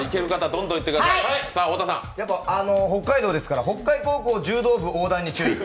北海道ですから、北海高校柔道部横断に注意。